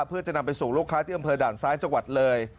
เพื่อจะนำไปสู่ลูกค้าที่อำเภอด่านซ้ายจังหวัดเลย